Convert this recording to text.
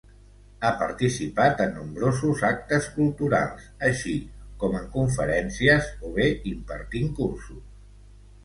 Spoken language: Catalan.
Ha participat en nombrosos actes culturals, així com en conferències o bé impartint cursos.